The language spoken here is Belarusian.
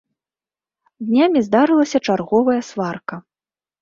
Днямі здарылася чарговая сварка.